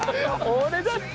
俺だった！